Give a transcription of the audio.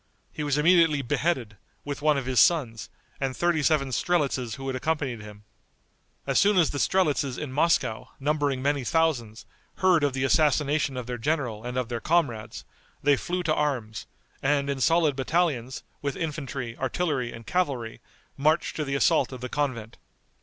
He was immediately beheaded, with one of his sons, and thirty seven strelitzes who had accompanied him. As soon as the strelitzes in Moscow, numbering many thousands, heard of the assassination of their general and of their comrades, they flew to arms, and in solid battalions, with infantry, artillery and cavalry, marched to the assault of the convent.